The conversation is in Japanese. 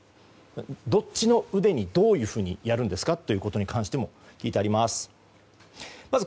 どっちの腕にどういうふうにやるんですかということに関しても聞いてあります。